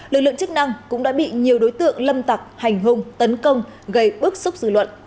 lực lượng chức năng cũng đã bị nhiều đối tượng lâm tặc hành hung tấn công gây bức xúc dư luận